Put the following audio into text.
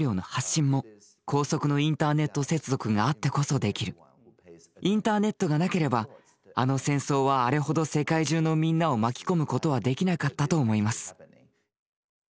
でもすぐにインターネットがなければあの戦争はあれほど世界中のみんなを巻き込むことはできなかったと思います。